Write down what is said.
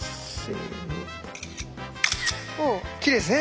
きれいですね。